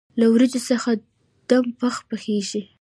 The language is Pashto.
له وریجو څخه دم پخ پخیږي.